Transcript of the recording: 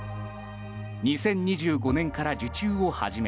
２０２５年から受注を始め